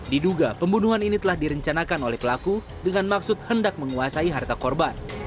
diduga pembunuhan ini telah direncanakan oleh pelaku dengan maksud hendak menguasai harta korban